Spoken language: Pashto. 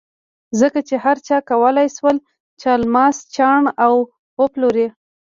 ځکه چې هر چا کولای شول چې الماس چاڼ او وپلوري.